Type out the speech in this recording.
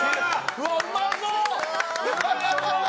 うわうまそう！